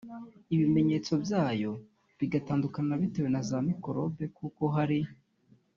n’ibimenyeto byayo bigatandukana bitewe na za microbe kuko hari